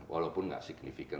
walaupun gak signifikan